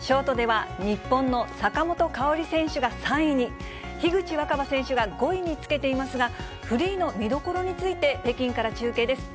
ショートでは、日本の坂本花織選手が３位に、樋口新葉選手が５位につけていますが、フリーの見どころについて、北京から中継です。